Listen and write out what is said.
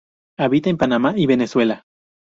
Habita en Panamá y Venezuela.